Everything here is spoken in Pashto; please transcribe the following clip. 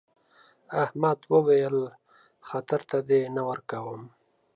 احمد وويل: خطر ته دې نه ورکوم.